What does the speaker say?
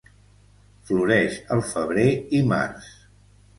Floreix el febrer i març.